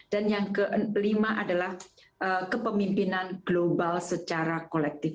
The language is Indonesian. dan yang kelima adalah kepemimpinan global secara kolektif